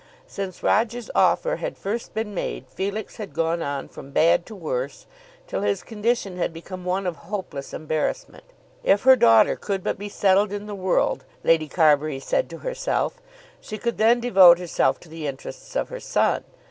Since Roger's offer had first been made, Felix had gone on from bad to worse, till his condition had become one of hopeless embarrassment. If her daughter could but be settled in the world, Lady Carbury said to herself, she could then devote herself to the interests of her son.